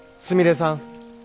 すみれさん。